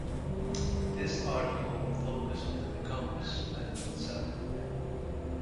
This article will focus on the Combs method itself.